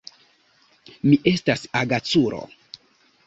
Mi estas agaculo.